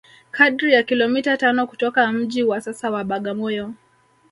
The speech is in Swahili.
Kadri ya kilomita tano kutoka mji wa sasa wa Bagamoyo